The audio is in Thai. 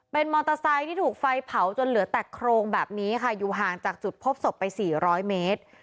เป็นมอเตอร์ไซค์ที่ถูกไฟเผาจนเหลือแต่โครงแบบนี้ค่ะอยู่ห่างจากจุดพบศพไปสี่ร้อยเมตร